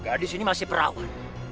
gadis ini masih perawan